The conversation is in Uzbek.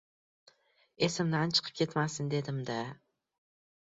Esimdan chiqib ketmasin, dedim-da.